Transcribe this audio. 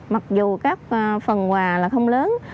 mặc dù các phần quà là không lớn